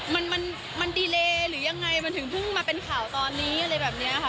มันมันดีเลหรือยังไงมันถึงเพิ่งมาเป็นข่าวตอนนี้อะไรแบบนี้ค่ะ